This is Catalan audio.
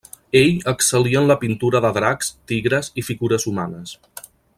Ell excel·lí en la pintura de dracs, tigres i figures humanes.